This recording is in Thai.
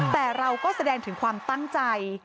แต่เราก็แสดงถึงความตั้งใจ